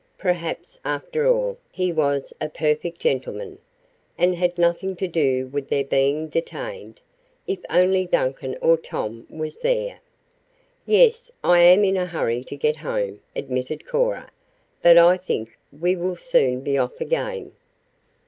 Perhaps, after all, he was a perfect gentleman, and had nothing to do with their being detained. If only Duncan or Tom was there! "Yes, I am in a hurry to get home," admitted Cora. "But I think we will soon be off again."